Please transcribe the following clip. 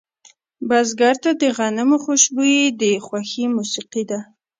بزګر ته د غنمو خوشبويي د خوښې موسیقي ده